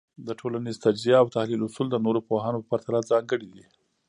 د ټولنيز تجزیه او تحلیل اصول د نورو پوهانو په پرتله ځانګړي دي.